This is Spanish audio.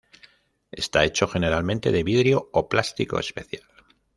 Está hecho generalmente de vidrio o plástico especial.